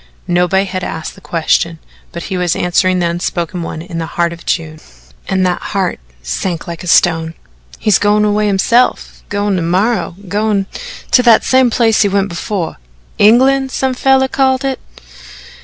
Nobody had asked the question, but he was answering the unspoken one in the heart of June, and that heart sank like a stone. "He's goin' away hisself goin' ter morrow goin' to that same place he went before England, some feller called it."